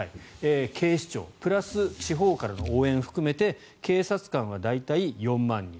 警視庁プラス地方からの応援を含めて警察官は大体４万人。